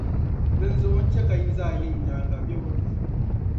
Dinzuɣu n-chɛ ka yi zaa yi n nyaaŋa bebo?